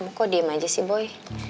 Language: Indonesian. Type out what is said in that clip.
bu kok diem aja sih boy